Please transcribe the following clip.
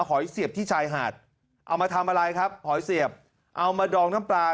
หอยเสียบที่ชายหาดเอามาทำอะไรครับหอยเสียบเอามาดองน้ำปลา